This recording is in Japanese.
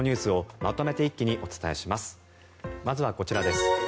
まずはこちらです。